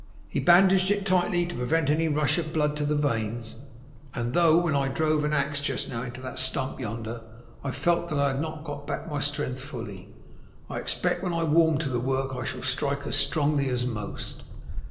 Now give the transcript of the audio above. He bandaged it tightly to prevent any rush of blood into the veins, and though when I drove an axe just now into that stump yonder, I felt that I had not got back my strength fully, I expect when I warm to the work I shall strike as strongly as most."